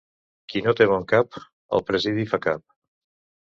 Qui no té bon cap, al presidi fa cap.